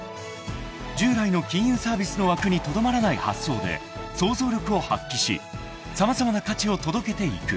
［従来の金融サービスの枠にとどまらない発想で創造力を発揮し様々な価値を届けていく］